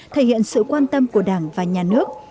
thể hiện sự quan tâm của đảng và nhà nước